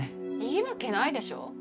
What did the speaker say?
いいわけないでしょ。